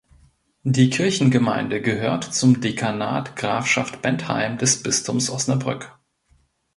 Die Kirchengemeinde gehört zum Dekanat Grafschaft Bentheim des Bistums Osnabrück.